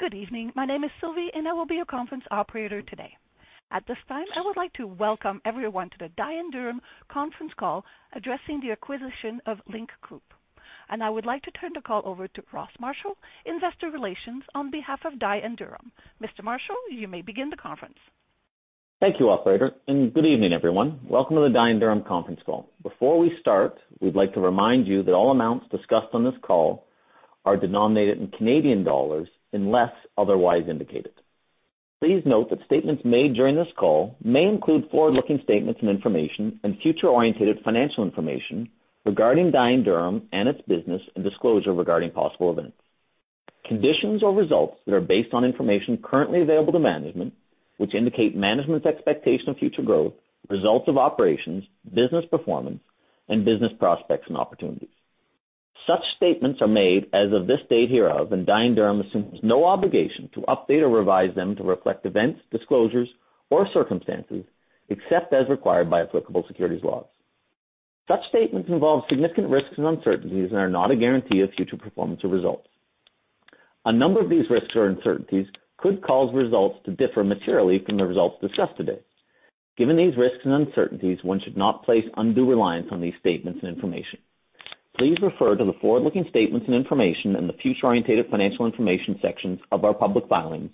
Good evening. My name is Sylvie, and I will be your conference operator today. At this time, I would like to welcome everyone to the Dye & Durham conference call addressing the acquisition of Link Group. I would like to turn the call over to Ross Marshall, Investor Relations on behalf of Dye & Durham. Mr. Marshall, you may begin the conference. Thank you, operator, and good evening, everyone. Welcome to the Dye & Durham conference call. Before we start, we'd like to remind you that all amounts discussed on this call are denominated in Canadian dollars, unless otherwise indicated. Please note that statements made during this call may include forward-looking statements and information and future-oriented financial information regarding Dye & Durham and its business and disclosure regarding possible events, conditions or results that are based on information currently available to management, which indicate management's expectation of future growth, results of operations, business performance, and business prospects and opportunities. Such statements are made as of this date hereof, and Dye & Durham assumes no obligation to update or revise them to reflect events, disclosures, or circumstances except as required by applicable securities laws. Such statements involve significant risks and uncertainties and are not a guarantee of future performance or results. A number of these risks or uncertainties could cause results to differ materially from the results discussed today. Given these risks and uncertainties, one should not place undue reliance on these statements and information. Please refer to the forward-looking statements and information in the Future-Oriented Financial Information sections of our public filings,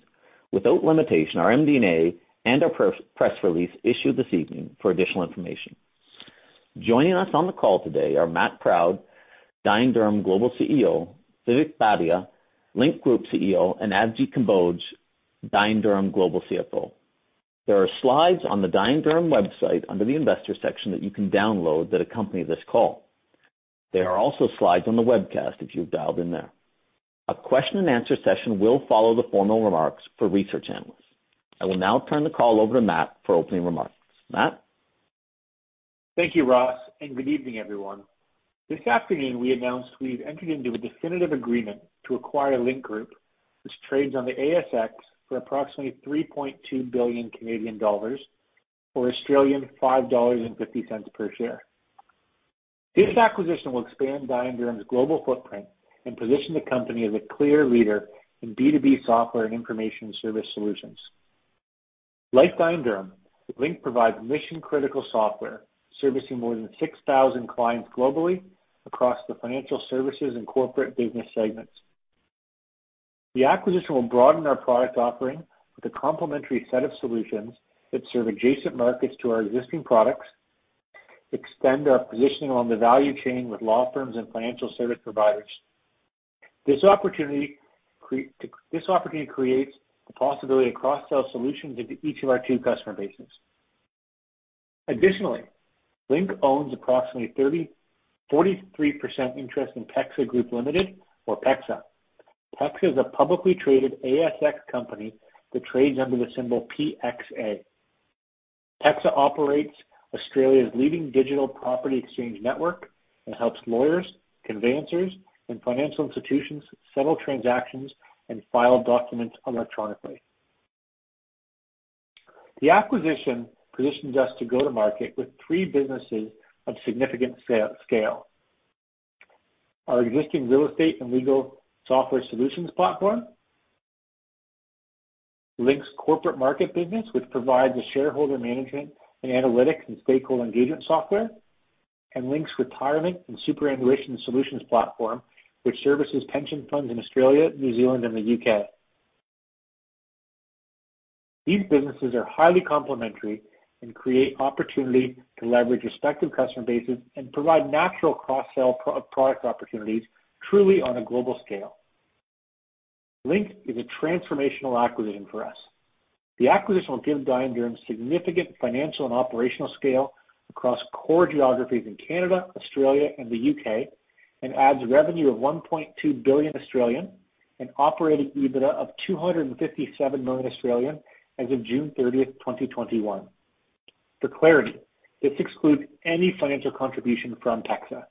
without limitation, our MD&A and our press release issued this evening for additional information. Joining us on the call today are Matt Proud, Dye & Durham Global CEO, Vivek Bhatia, Link Group CEO, and Avjit Kamboj, Dye & Durham Global CFO. There are slides on the Dye & Durham website under the Investors section that you can download that accompany this call. There are also slides on the webcast if you've dialed in there. A question and answer session will follow the formal remarks for research analysts. I will now turn the call over to Matt for opening remarks. Matt? Thank you, Ross, and good evening, everyone. This afternoon, we announced we've entered into a definitive agreement to acquire Link Group, which trades on the ASX for approximately 3.2 billion Canadian dollars or 5.50 Australian dollars per share. This acquisition will expand Dye & Durham's global footprint and position the company as a clear leader in B2B software and information service solutions. Like Dye & Durham, Link provides mission-critical software, servicing more than 6,000 clients globally across the financial services and corporate business segments. The acquisition will broaden our product offering with a complementary set of solutions that serve adjacent markets to our existing products, extend our positioning on the value chain with law firms and financial service providers. This opportunity creates the possibility of cross-sell solutions into each of our two customer bases. Additionally, Link owns approximately 43% interest in PEXA Group Limited or PEXA. PEXA is a publicly traded ASX company that trades under the symbol PXA. PEXA operates Australia's leading digital property exchange network and helps lawyers, conveyancers, and financial institutions settle transactions and file documents electronically. The acquisition positions us to go to market with three businesses of significant scale. Our existing real estate and legal software solutions platform, Link's Corporate Markets business, which provides shareholder management and analytics and stakeholder engagement software, and Link's Retirement & Superannuation Solutions platform, which services pension funds in Australia, New Zealand, and the U.K. These businesses are highly complementary and create opportunity to leverage respective customer bases and provide natural cross-sell product opportunities truly on a global scale. Link is a transformational acquisition for us. The acquisition will give Dye & Durham significant financial and operational scale across core geographies in Canada, Australia, and the U.K., and adds revenue of 1.2 billion and operating EBITDA of 257 million as of June 30, 2021. For clarity, this excludes any financial contribution from PEXA.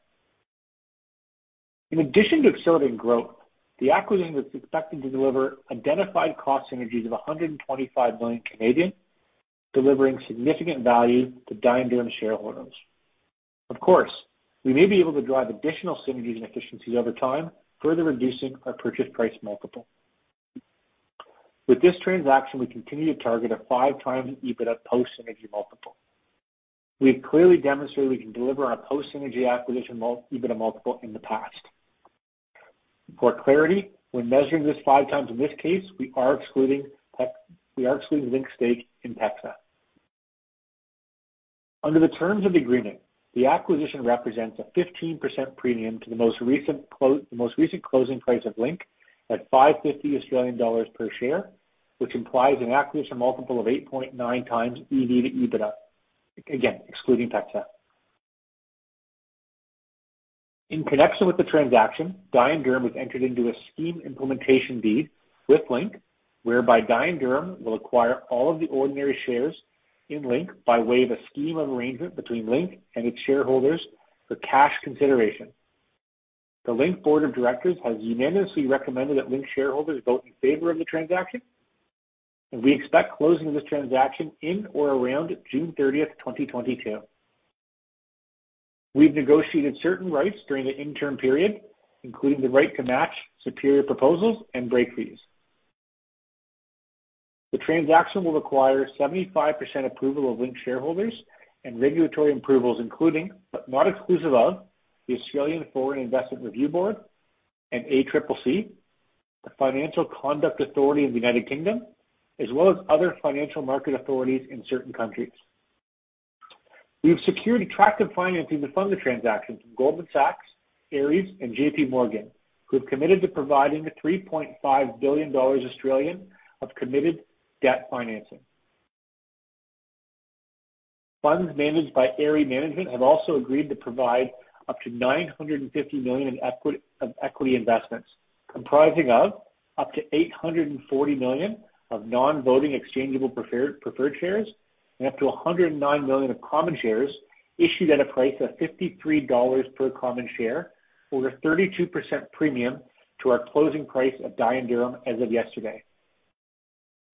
In addition to accelerating growth, the acquisition is expected to deliver identified cost synergies of 125 million, delivering significant value to Dye & Durham shareholders. Of course, we may be able to drive additional synergies and efficiencies over time, further reducing our purchase price multiple. With this transaction, we continue to target a 5x EBITDA post-synergy multiple. We have clearly demonstrated we can deliver on a post-synergy acquisition EBITDA multiple in the past. For clarity, when measuring this 5x in this case, we are excluding PEXA, we are excluding Link's stake in PEXA. Under the terms of the agreement, the acquisition represents a 15% premium to the most recent closing price of Link at 5.50 Australian dollars per share, which implies an acquisition multiple of 8.9x EV/EBITDA, again, excluding PEXA. In connection with the transaction, Dye & Durham has entered into a Scheme Implementation Deed with Link, whereby Dye & Durham will acquire all of the ordinary shares in Link by way of a scheme of arrangement between Link and its shareholders for cash consideration. The Link board of directors has unanimously recommended that Link shareholders vote in favor of the transaction, and we expect closing of this transaction in or around June 30, 2022. We've negotiated certain rights during the interim period, including the right to match superior proposals and break fees. The transaction will require 75% approval of Link shareholders and regulatory approvals, including, but not exclusive of, the Australian Foreign Investment Review Board and ACCC, the Financial Conduct Authority in the U.K., as well as other financial market authorities in certain countries. We have secured attractive financing to fund the transaction from Goldman Sachs, Ares, and JP Morgan, who have committed to providing 3.5 billion Australian dollars of committed debt financing. Funds managed by Ares Management have also agreed to provide up to 950 million in equity investments, comprising of up to 840 million of non-voting exchangeable preferred shares and up to 109 million of common shares issued at a price of 53 dollars per common share, or a 32% premium to our closing price at Dye & Durham as of yesterday.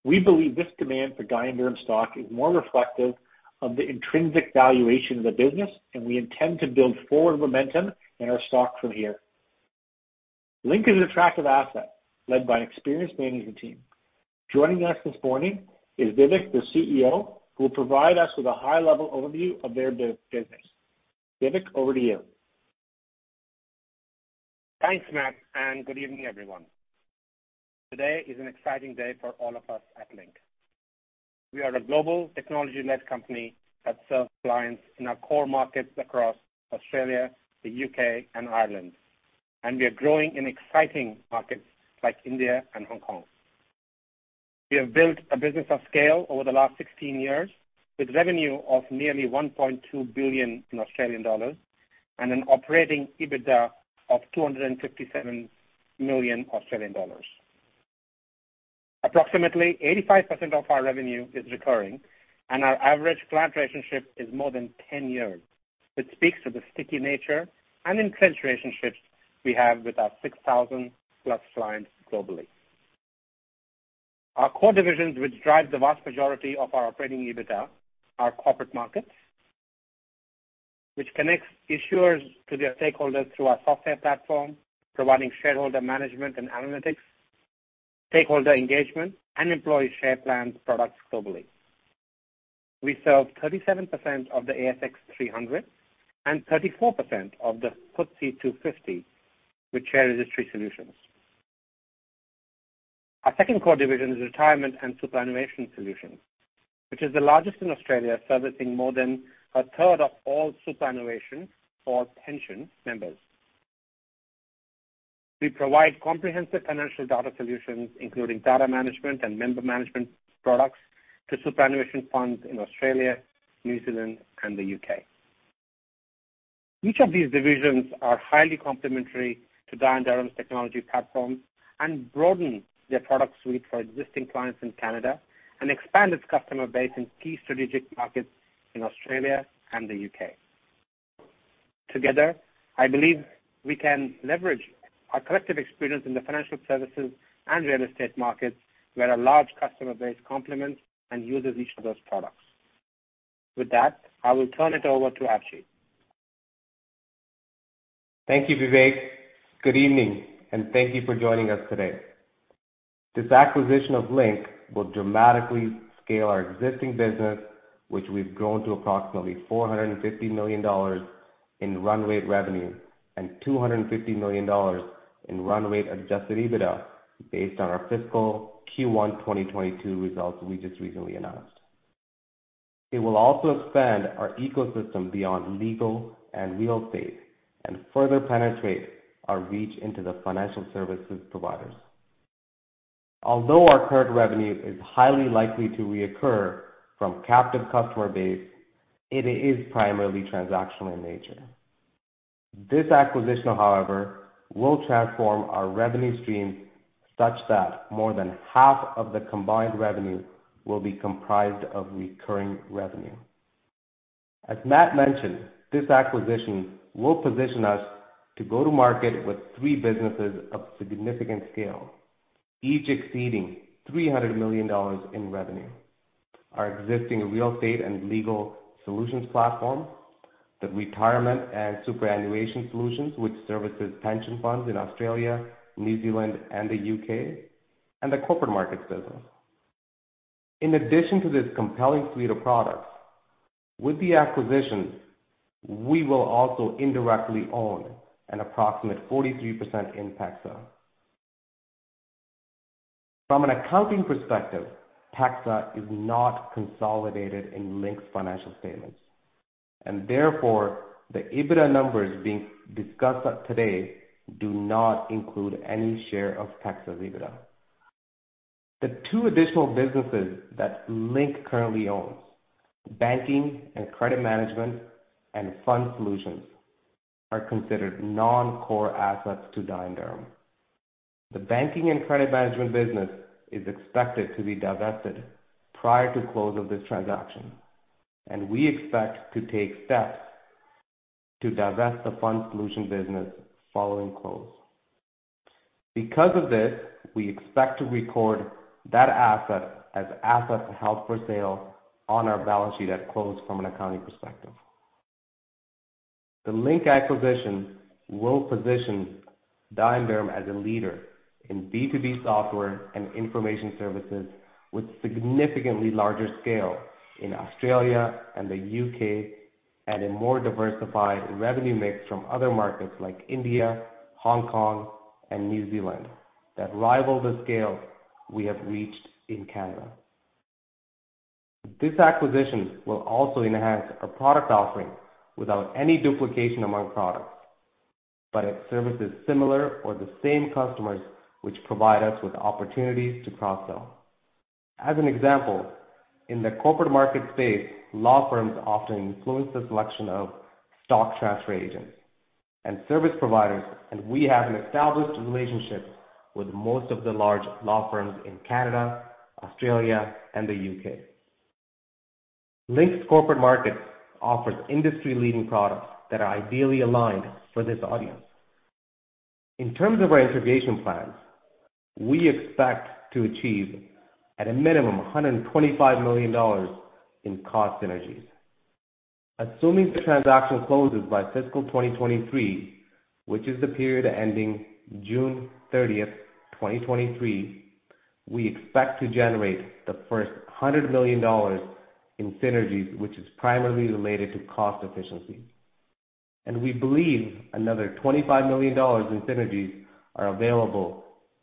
We believe this demand for Dye & Durham stock is more reflective of the intrinsic valuation of the business, and we intend to build forward momentum in our stock from here. Link is an attractive asset led by an experienced management team. Joining us this morning is Vivek, the CEO, who will provide us with a high-level overview of their business. Vivek, over to you. Thanks, Matt, and good evening, everyone. Today is an exciting day for all of us at Link. We are a global technology-led company that serves clients in our core markets across Australia, the U.K., and Ireland, and we are growing in exciting markets like India and Hong Kong. We have built a business of scale over the last 16 years, with revenue of nearly 1.2 billion and an operating EBITDA of 257 million Australian dollars. Approximately 85% of our revenue is recurring, and our average client relationship is more than 10 years, which speaks to the sticky nature and intense relationships we have with our 6,000-plus clients globally. Our core divisions, which drive the vast majority of our operating EBITDA, are Corporate Markets, which connects issuers to their stakeholders through our software platform, providing shareholder management and analytics, stakeholder engagement, and employee share plans products globally. We serve 37% of the ASX 300 and 34% of the FTSE 250 with share registry solutions. Our second core division is Retirement and Superannuation Solutions, which is the largest in Australia, servicing more than a third of all superannuation for pension members. We provide comprehensive financial data solutions, including data management and member management products to superannuation funds in Australia, New Zealand, and the U.K. Each of these divisions are highly complementary to Dye & Durham's technology platform and broaden their product suite for existing clients in Canada and expand its customer base in key strategic markets in Australia and the U.K. Together, I believe we can leverage our collective experience in the financial services and real estate markets, where a large customer base complements and uses each of those products. With that, I will turn it over to Avjit. Thank you, Vivek. Good evening, and thank you for joining us today. This acquisition of Link will dramatically scale our existing business, which we've grown to approximately 450 million dollars in run rate revenue and 250 million dollars in run rate adjusted EBITDA based on our fiscal Q1 2022 results we just recently announced. It will also expand our ecosystem beyond legal and real estate and further penetrate our reach into the financial services providers. Although our current revenue is highly recurring from captive customer base, it is primarily transactional in nature. This acquisition, however, will transform our revenue stream such that more than half of the combined revenue will be comprised of recurring revenue. As Matt mentioned, this acquisition will position us to go to market with three businesses of significant scale, each exceeding 300 million dollars in revenue. Our existing real estate and legal solutions platform, the Retirement & Superannuation Solutions, which services pension funds in Australia, New Zealand, and the U.K., and the Corporate Markets business. In addition to this compelling suite of products, with the acquisition, we will also indirectly own an approximate 43% in PEXA. From an accounting perspective, PEXA is not consolidated in Link's financial statements, and therefore, the EBITDA numbers being discussed today do not include any share of PEXA's EBITDA. The two additional businesses that Link currently owns, Banking and Credit Management and Fund Solutions, are considered non-core assets to Dye & Durham. The Banking and Credit Management business is expected to be divested prior to close of this transaction, and we expect to take steps to divest the Fund Solutions business following close. Because of this, we expect to record that asset as asset held for sale on our balance sheet at close from an accounting perspective. The Link acquisition will position Dye & Durham as a leader in B2B software and information services with significantly larger scale in Australia and the U.K., and a more diversified revenue mix from other markets like India, Hong Kong, and New Zealand that rival the scale we have reached in Canada. This acquisition will also enhance our product offering without any duplication among products, but it serves similar or the same customers, which provide us with opportunities to cross-sell. As an example, in the corporate market space, law firms often influence the selection of stock transfer agents and service providers, and we have an established relationship with most of the large law firms in Canada, Australia, and the U.K. Link's Corporate Markets offers industry-leading products that are ideally aligned for this audience. In terms of our integration plans, we expect to achieve at a minimum, 125 million dollars in cost synergies. Assuming the transaction closes by fiscal 2023, which is the period ending June 30, 2023, we expect to generate the first 100 million dollars in synergies, which is primarily related to cost efficiencies. We believe another 25 million dollars in synergies are available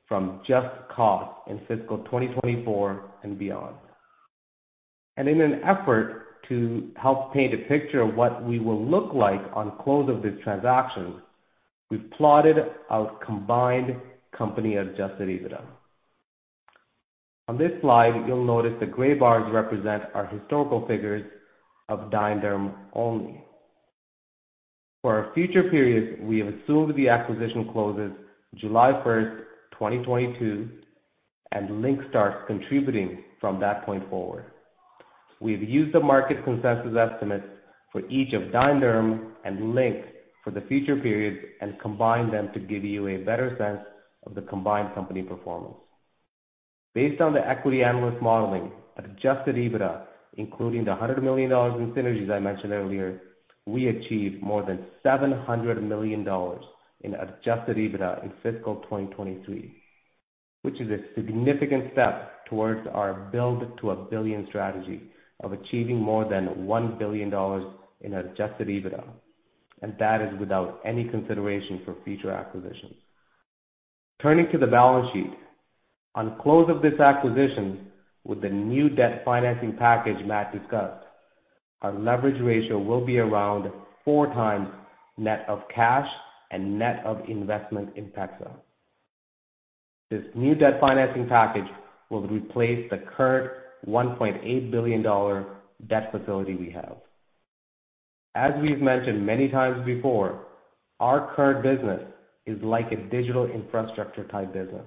from just cost in fiscal 2024 and beyond. In an effort to help paint a picture of what we will look like on close of this transaction, we've plotted our combined company adjusted EBITDA. On this slide, you'll notice the gray bars represent our historical figures of Dye & Durham only. For our future periods, we have assumed the acquisition closes July 1, 2022, and Link starts contributing from that point forward. We've used the market consensus estimates for each of Dye & Durham and Link for the future periods and combined them to give you a better sense of the combined company performance. Based on the equity analyst modeling, adjusted EBITDA, including the 100 million dollars in synergies I mentioned earlier, we achieved more than 700 million dollars in adjusted EBITDA in fiscal 2023, which is a significant step towards our Build to a Billion strategy of achieving more than 1 billion dollars in adjusted EBITDA, and that is without any consideration for future acquisitions. Turning to the balance sheet. On close of this acquisition, with the new debt financing package Matt discussed, our leverage ratio will be around 4x net of cash and net of investment in PEXA. This new debt financing package will replace the current 1.8 billion dollar debt facility we have. As we've mentioned many times before, our current business is like a digital infrastructure type business,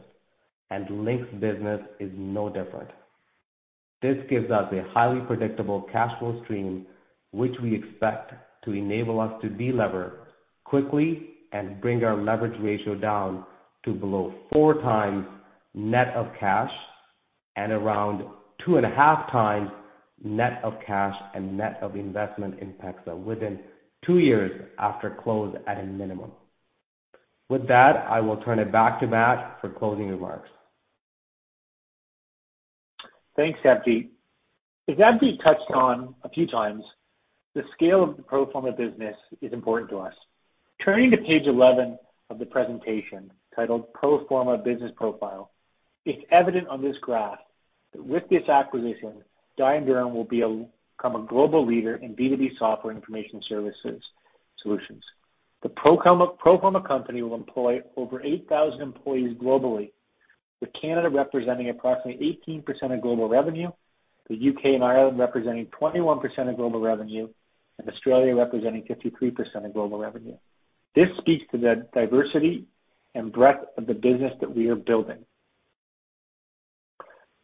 and Link's business is no different. This gives us a highly predictable cash flow stream, which we expect to enable us to de-lever quickly and bring our leverage ratio down to below 4x net of cash and around 2.5x net of cash and net of investment in PEXA within two years after close at a minimum. With that, I will turn it back to Matt for closing remarks. Thanks, Avjit. As Avjit touched on a few times, the scale of the pro forma business is important to us. Turning to page 11 of the presentation titled Pro Forma Business Profile, it's evident on this graph that with this acquisition, Dye & Durham will become a global leader in B2B software information services solutions. The pro forma company will employ over 8,000 employees globally, with Canada representing approximately 18% of global revenue, the U.K. and Ireland representing 21% of global revenue, and Australia representing 53% of global revenue. This speaks to the diversity and breadth of the business that we are building.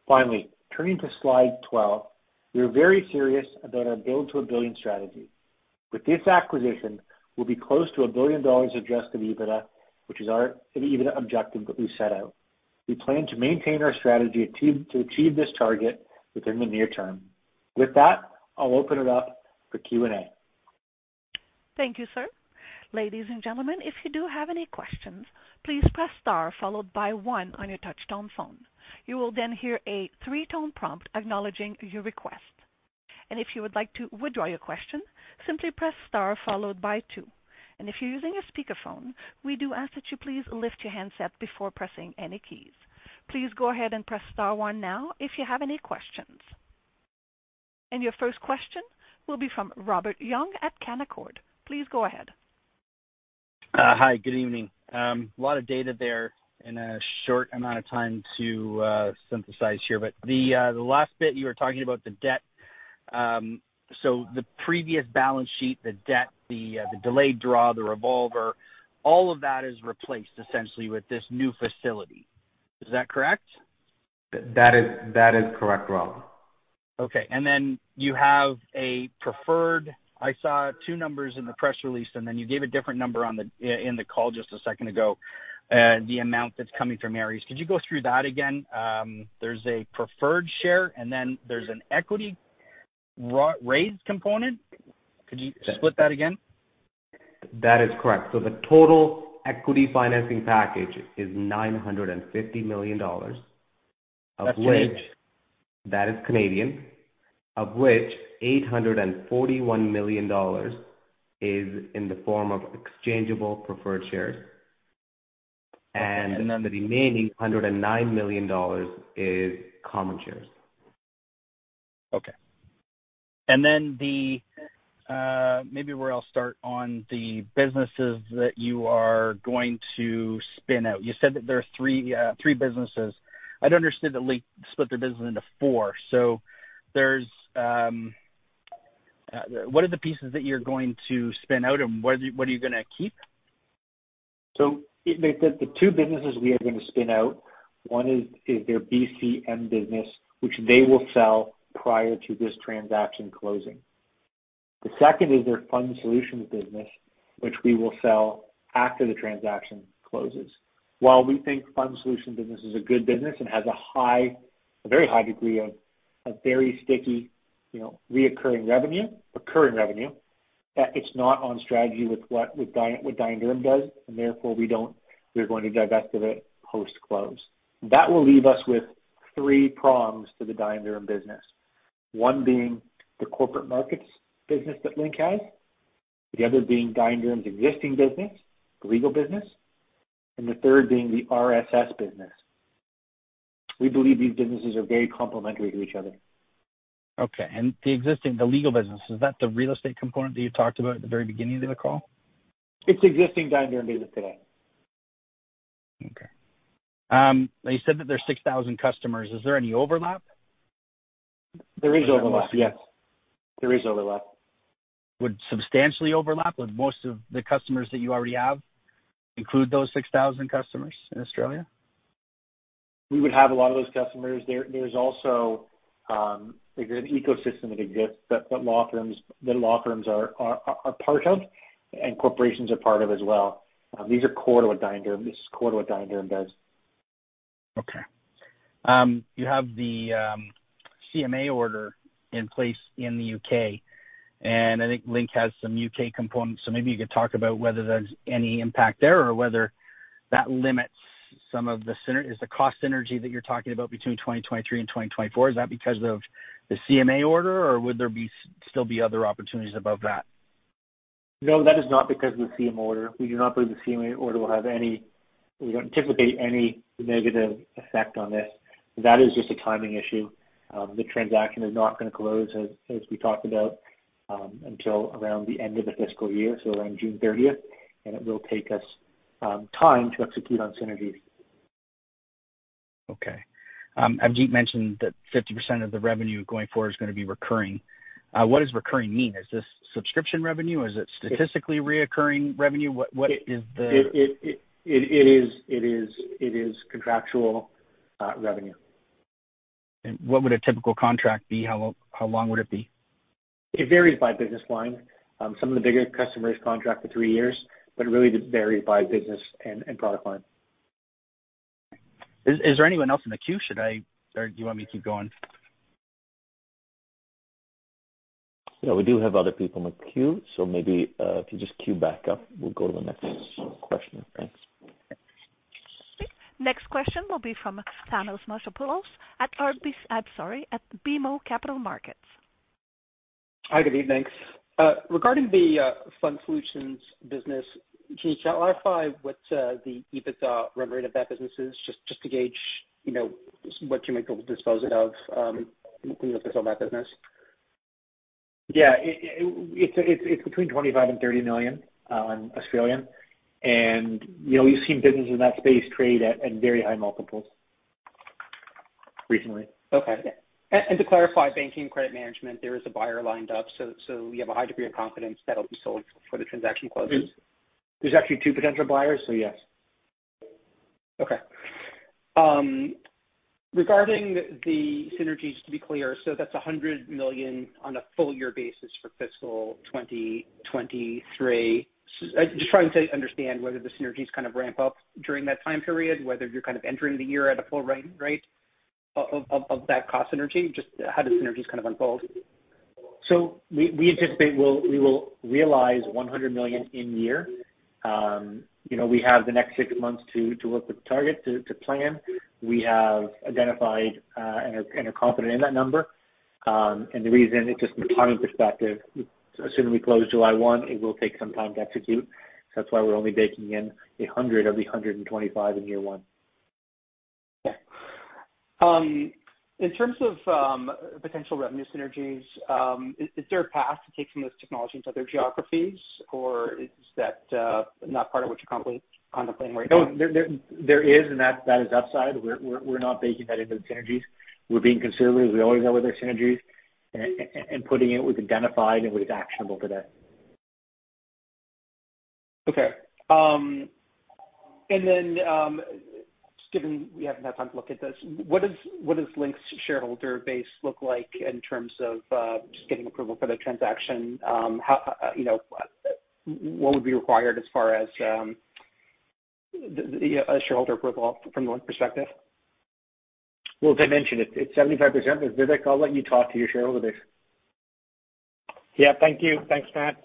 Finally, turning to slide 12, we are very serious about our Build to a Billion strategy. With this acquisition, we'll be close to 1 billion dollars adjusted EBITDA, which is our EBITDA objective that we set out. We plan to maintain our strategy to achieve this target within the near term. With that, I'll open it up for Q&A. Thank you, sir. Ladies and gentlemen, if you do have any questions, please press star followed by 1 on your touchtone phone. You will then hear a 3-tone prompt acknowledging your request. If you would like to withdraw your question, simply press star followed by 2. If you're using a speakerphone, we do ask that you please lift your handset before pressing any keys. Please go ahead and press star 1 now if you have any questions. Your first question will be from Robert Young at Canaccord. Please go ahead. Hi, good evening. A lot of data there in a short amount of time to synthesize here. The last bit, you were talking about the debt. The previous balance sheet, the debt, the delayed draw, the revolver, all of that is replaced essentially with this new facility. Is that correct? That is correct, Robert. Okay. You have a preferred—I saw two numbers in the press release, and then you gave a different number on the in the call just a second ago, the amount that's coming from Ares. Could you go through that again? There's a preferred share and then there's an equity raise component. Could you split that again? That is correct. The total equity financing package is 950 million dollars. That's Canadian? That is Canadian. Of which 841 million dollars is in the form of exchangeable preferred shares. The remaining 109 million dollars is common shares. Okay. Maybe where I'll start on the businesses that you are going to spin out. You said that there are three businesses. I'd understood that Link split their business into four. What are the pieces that you're going to spin out, and what are you gonna keep? The two businesses we are gonna spin out, one is their BCM business, which they will sell prior to this transaction closing. The second is their Fund Solutions business, which we will sell after the transaction closes. While we think Fund Solutions business is a good business and has a very high degree of very sticky, you know, recurring revenue, it's not on strategy with what Dye & Durham does, and therefore we're going to divest of it post-close. That will leave us with three prongs to the Dye & Durham business. One being the Corporate Markets business that Link has, the other being Dye & Durham's existing business, the legal business, and the third being the RSS business. We believe these businesses are very complementary to each other. Okay. The existing, the legal business, is that the real estate component that you talked about at the very beginning of the call? It's existing Dye & Durham business today. Okay. You said that there's 6,000 customers. Is there any overlap? There is overlap, yes. There is overlap. Would substantially overlap? Would most of the customers that you already have include those 6,000 customers in Australia? We would have a lot of those customers. There's also an ecosystem that law firms are part of and corporations are part of as well. These are core to what Dye & Durham does. You have the CMA order in place in the U.K., and I think Link has some U.K. components. Maybe you could talk about whether there's any impact there or whether that limits some of the synergies. Is the cost synergy that you're talking about between 2023 and 2024 because of the CMA order, or would there still be other opportunities above that? No, that is not because of the CMA order. We do not believe the CMA order will have any. We don't anticipate any negative effect on this. That is just a timing issue. The transaction is not gonna close as we talked about until around the end of the fiscal year, so around June 30, and it will take us time to execute on synergies. Okay. Avjit mentioned that 50% of the revenue going forward is gonna be recurring. What does recurring mean? Is this subscription revenue? Is it statistically recurring revenue? What is the- It is contractual revenue. What would a typical contract be? How long would it be? It varies by business line. Some of the bigger customers contract for three years, but it really varies by business and product line. Is there anyone else in the queue? Or do you want me to keep going? Yeah, we do have other people in the queue. Maybe, if you just queue back up, we'll go to the next questioner. Thanks. Next question will be from Thanos Moschopoulos at BMO Capital Markets. Hi, good evening. Regarding the Fund Solutions business, can you clarify what the EBITDA run rate of that business is just to gauge, you know, what you might be able to dispose it of when you sell that business? Yeah. It's between 25 million and 30 million. You know, you've seen businesses in that space trade at very high multiples recently. To clarify, Banking and Credit Management, there is a buyer lined up. You have a high degree of confidence that'll be sold before the transaction closes. There's actually two potential buyers, so yes. Okay. Regarding the synergies, to be clear, so that's 100 million on a full year basis for fiscal 2023. I'm just trying to understand whether the synergies kind of ramp up during that time period, whether you're kind of entering the year at a full rate of that cost synergy, just how the synergies kind of unfold. We anticipate we will realize 100 million in year one. You know, we have the next six months to work with the target to plan. We have identified and are confident in that number. And the reason it's just from a timing perspective, assuming we close July 1, it will take some time to execute. That's why we're only baking in 100 million of the 125 million in year one. Okay. In terms of potential revenue synergies, is there a path to take some of those technologies into other geographies, or is that not part of what you're currently contemplating right now? No. There is, and that is upside. We're not baking that into the synergies. We're being conservative as we always are with our synergies and putting it what we've identified and what is actionable today. Okay. Just given we haven't had time to look at this, what does Link's shareholder base look like in terms of just getting approval for the transaction? How you know what would be required as far as the shareholder approval from Link's perspective? Well, as I mentioned, it's 75%. Vivek, I'll let you talk to your shareholder base. Yeah. Thank you. Thanks, Matt.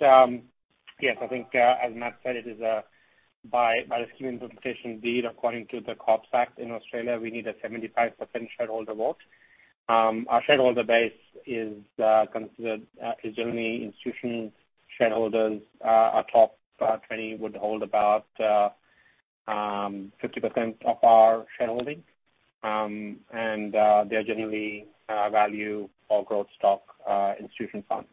Yes, I think, as Matt said, it is by the Scheme Implementation Deed, according to the Corporations Act in Australia, we need a 75% shareholder vote. Our shareholder base is generally institutional shareholders. Our top 20 would hold about 50% of our shareholding. They're generally value or growth stock institutional funds.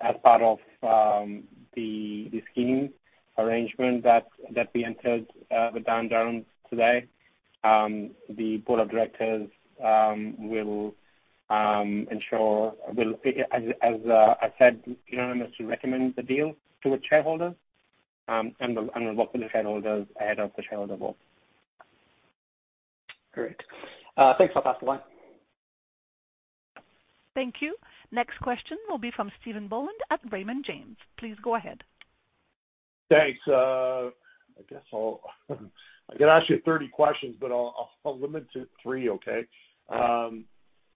As part of the scheme arrangement that we entered with Dye & Durham today, the board of directors will, as I said, unanimously recommend the deal to the shareholders and will work with the shareholders ahead of the shareholder vote. Great. Thanks. I'll pass the line. Thank you. Next question will be from Stephen Boland at Raymond James. Please go ahead. Thanks. I guess I could ask you 30 questions, but I'll limit it to three, okay?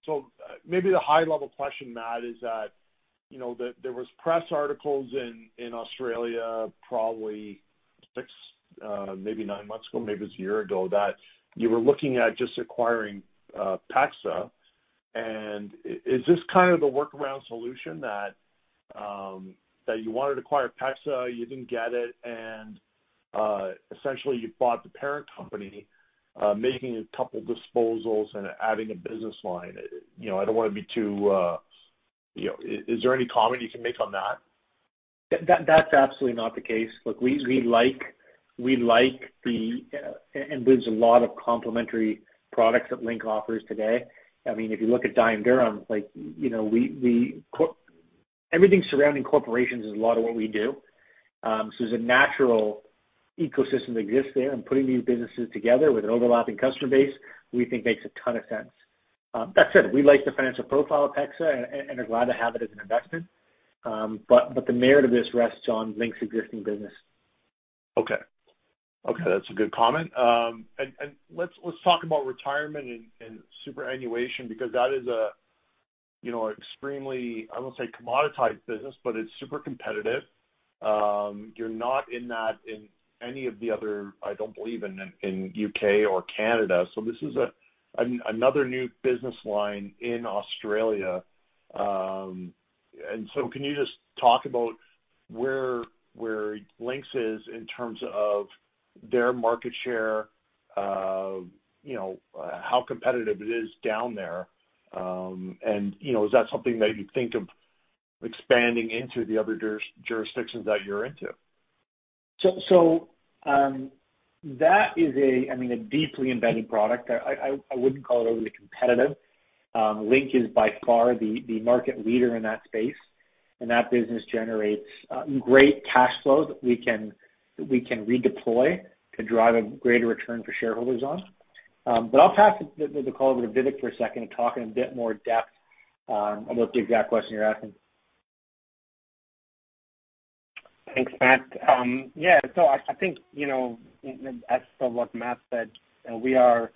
So maybe the high-level question, Matt, is that, you know, there was press articles in Australia probably six, maybe nine months ago, maybe it's a year ago, that you were looking at just acquiring PEXA. Is this kind of the workaround solution that you wanted to acquire PEXA, you didn't get it, and essentially you bought the parent company, making a couple disposals and adding a business line? You know, I don't want to be too. You know, is there any comment you can make on that? That's absolutely not the case. Look, we like the and there's a lot of complementary products that Link offers today. I mean, if you look at Dye & Durham, like, you know, everything surrounding corporations is a lot of what we do. So there's a natural ecosystem that exists there, and putting these businesses together with an overlapping customer base, we think makes a ton of sense. That said, we like the financial profile of PEXA and are glad to have it as an investment. The merit of this rests on Link's existing business. Okay, that's a good comment. Let's talk about retirement and superannuation because that is, you know, extremely, I won't say commoditized business, but it's super competitive. You're not in that in any of the other, I don't believe, in U.K. or Canada. This is another new business line in Australia. Can you just talk about where Link is in terms of their market share, you know, how competitive it is down there? You know, is that something that you think of expanding into the other jurisdictions that you're into? That is, I mean, a deeply embedded product. I wouldn't call it overly competitive. Link is by far the market leader in that space, and that business generates great cash flow that we can redeploy to drive a greater return for shareholders on. I'll pass the call over to Vivek for a second to talk in a bit more depth about the exact question you're asking. Thanks, Matt. I think, you know, as for what Matt said, we are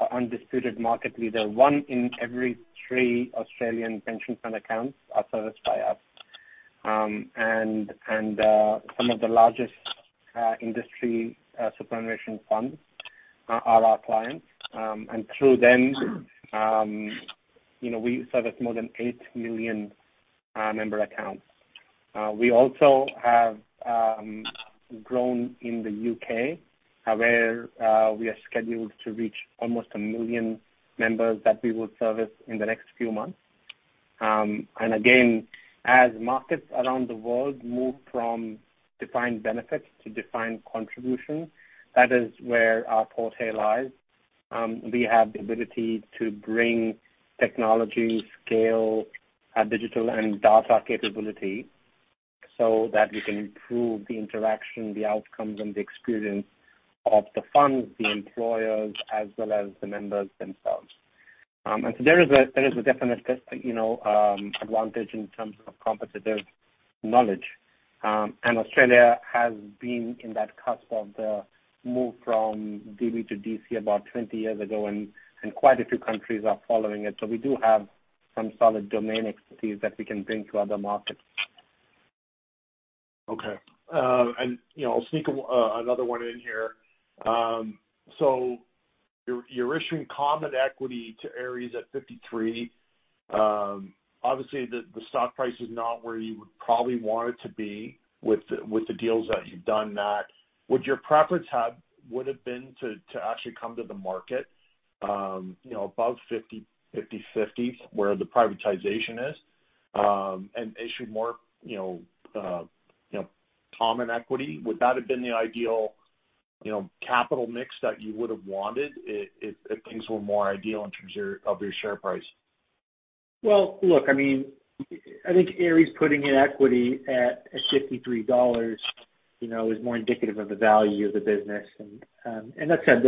an undisputed market leader. 1 in every 3 Australian pension fund accounts are serviced by us. Some of the largest industry superannuation funds are our clients. Through them, you know, we service more than 8 million member accounts. We also have grown in the U.K., where we are scheduled to reach almost 1 million members that we will service in the next few months. As markets around the world move from defined benefits to defined contributions, that is where our forte lies. We have the ability to bring technology, scale, digital and data capability so that we can improve the interaction, the outcomes and the experience of the funds, the employers as well as the members themselves. There is a definite, you know, advantage in terms of competitive knowledge. Australia has been in that cusp of the move from DB to DC about 20 years ago, and quite a few countries are following it. We do have some solid domain expertise that we can bring to other markets. Okay. You know, I'll sneak another one in here. You're issuing common equity to Ares at 53. Obviously the stock price is not where you would probably want it to be with the deals that you've done, Matt. Would your preference have been to actually come to the market, you know, above 50, 50s where the privatization is, and issue more, you know, common equity? Would that have been the ideal, you know, capital mix that you would have wanted if things were more ideal in terms of your share price? Well, look, I mean, I think Ares putting in equity at 63 dollars, you know, is more indicative of the value of the business. That said,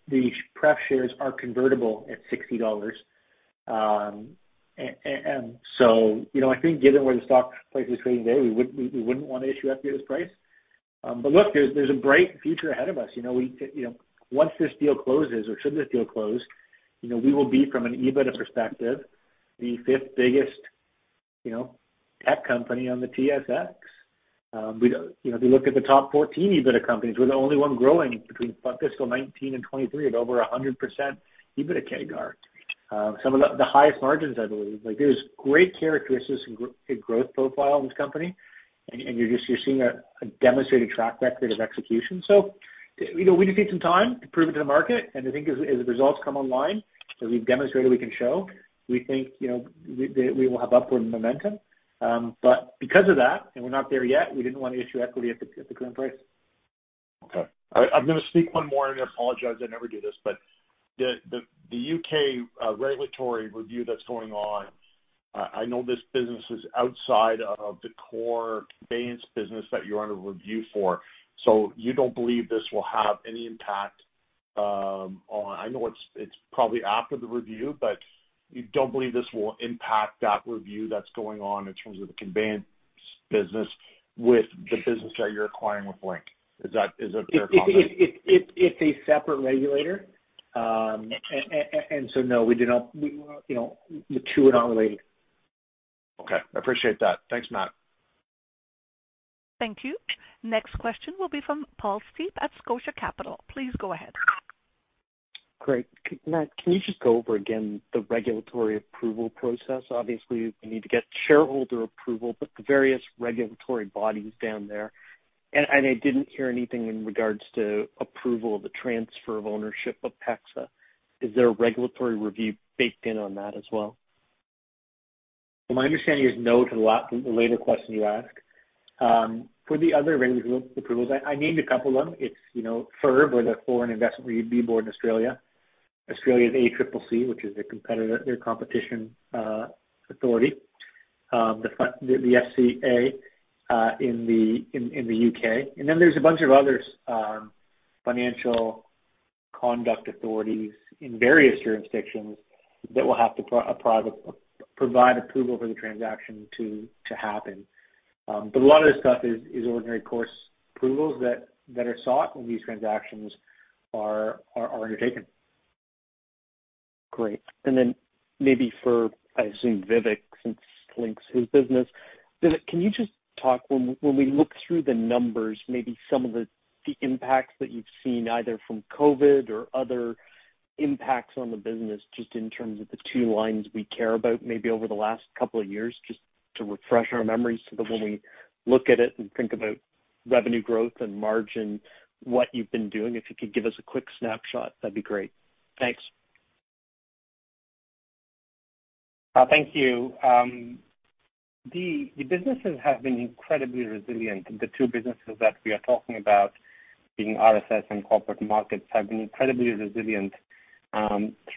the preferred shares are convertible at 60 dollars. So, you know, I think given where the stock price is trading today, we wouldn't wanna issue equity at this price. But look, there's a bright future ahead of us. You know, once this deal closes or should this deal close, you know, we will be from an EBITDA perspective, the 5th biggest, you know, tech company on the TSX. You know, if you look at the top 14 EBITDA companies, we're the only one growing between fiscal 2019 and 2023 at over 100% EBITDA CAGR. Some of the highest margins, I believe. Like there's great characteristics and growth profile in this company and you're just seeing a demonstrated track record of execution. You know, we just need some time to prove it to the market. I think as the results come online, as we've demonstrated, we can show we think you know we will have upward momentum. Because of that, we're not there yet, we didn't wanna issue equity at the current price. Okay. I'm gonna sneak one more in. I apologize, I never do this. The U.K. regulatory review that's going on, I know this business is outside of the core conveyance business that you're under review for. You don't believe this will have any impact. I know it's probably after the review, but you don't believe this will impact that review that's going on in terms of the conveyance business with the business that you're acquiring with Link? Is that a fair comment? It's a separate regulator. No, we do not, you know, the two are not related. Okay. I appreciate that. Thanks, Matt. Thank you. Next question will be from Paul Steep at Scotia Capital. Please go ahead. Great. Matt, can you just go over again the regulatory approval process? Obviously you need to get shareholder approval, but the various regulatory bodies down there. I didn't hear anything in regards to approval of the transfer of ownership of PEXA. Is there a regulatory review baked in on that as well? My understanding is no to the later question you asked. For the other regulatory approvals, I named a couple of them. It's, you know, FIRB or the Foreign Investment Review Board in Australia. Australia's ACCC, which is the competition authority. The FCA in the U.K. And then there's a bunch of other financial conduct authorities in various jurisdictions that will have to provide approval for the transaction to happen. A lot of this stuff is ordinary course approvals that are sought when these transactions are undertaken. Great. Maybe for, I assume Vivek, since Link's his business. Vivek, can you just talk, when we look through the numbers, maybe some of the impacts that you've seen either from COVID or other impacts on the business, just in terms of the two lines we care about, maybe over the last couple of years, just to refresh our memories so that when we look at it and think about revenue growth and margin, what you've been doing. If you could give us a quick snapshot, that'd be great. Thanks. Thank you. The businesses have been incredibly resilient. The two businesses that we are talking about being RSS and Corporate Markets have been incredibly resilient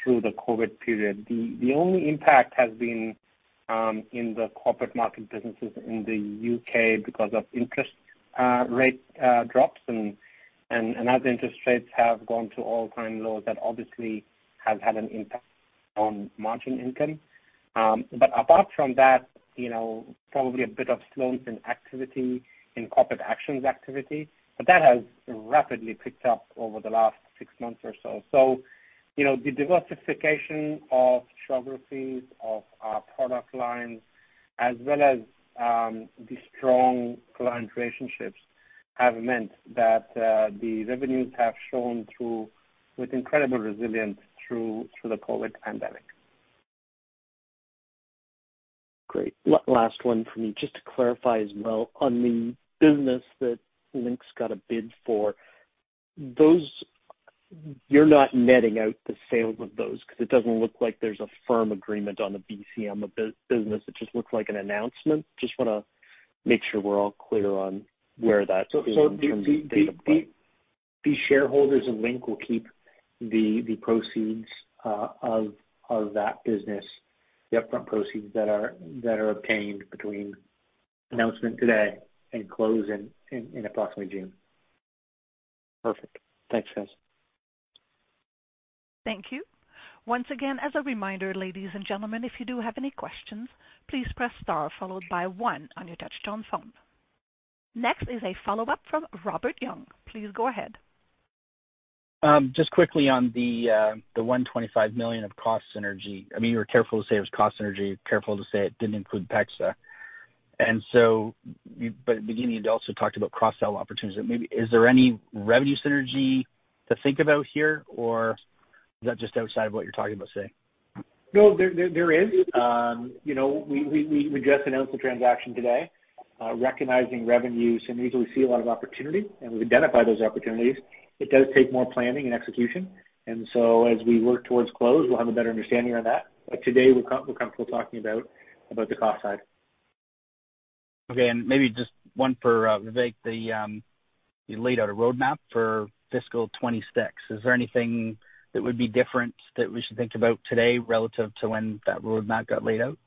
through the COVID period. The only impact has been in the corporate market businesses in the U.K. because of interest rate drops and as interest rates have gone to all-time lows, that obviously has had an impact on margin income. Apart from that, you know, probably a bit of slowing in activity in corporate actions activity. That has rapidly picked up over the last six months or so. You know, the diversification of geographies of our product lines, as well as the strong client relationships have meant that the revenues have shown through with incredible resilience through the COVID pandemic. Great. Last one for me, just to clarify as well. On the business that Link's got a bid for, those, you're not netting out the sale of those, 'cause it doesn't look like there's a firm agreement on the BCM business. It just looks like an announcement. Just wanna make sure we're all clear on where that is in terms of. The shareholders of Link will keep the proceeds of that business, the upfront proceeds that are obtained between announcement today and close in approximately June. Perfect. Thanks, guys. Thank you. Once again, as a reminder, ladies and gentlemen, if you do have any questions, please press star followed by one on your touchtone phone. Next is a follow-up from Robert Young. Please go ahead. Just quickly on the 125 million of cost synergy. I mean, you were careful to say it was cost synergy, careful to say it didn't include PEXA. But at the beginning you also talked about cross-sell opportunities. Maybe is there any revenue synergy to think about here, or is that just outside of what you're talking about today? No. There is. You know, we just announced the transaction today, recognizing revenues, and usually we see a lot of opportunity, and we've identified those opportunities. It does take more planning and execution. As we work towards close, we'll have a better understanding of that. But today, we're comfortable talking about the cost side. Okay. Maybe just one for Vivek. Then you laid out a roadmap for fiscal 2026. Is there anything that would be different that we should think about today relative to when that roadmap got laid out?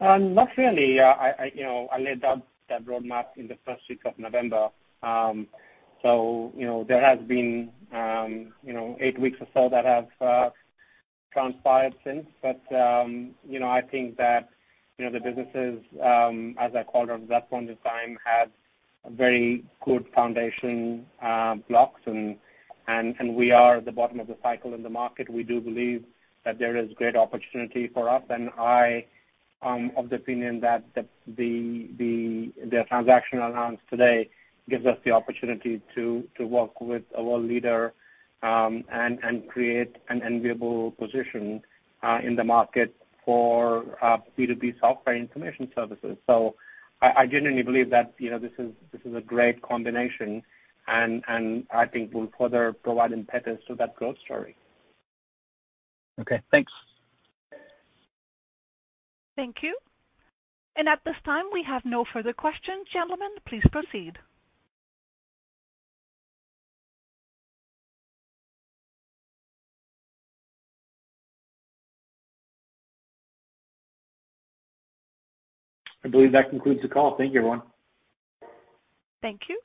Not really. I you know I laid out that roadmap in the first week of November. You know there has been you know eight weeks or so that have transpired since. You know I think that you know the businesses as I called them at that point in time had very good foundation blocks. We are at the bottom of the cycle in the market. We do believe that there is great opportunity for us. I am of the opinion that the transaction announced today gives us the opportunity to work with a world leader and create an enviable position in the market for B2B software information services. I genuinely believe that, you know, this is a great combination, and I think we'll further provide impetus to that growth story. Okay, thanks. Thank you. At this time, we have no further questions. Gentlemen, please proceed. I believe that concludes the call. Thank you, everyone. Thank you.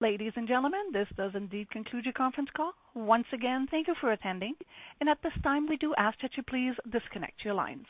Ladies and gentlemen, this does indeed conclude your conference call. Once again, thank you for attending. At this time, we do ask that you please disconnect your lines.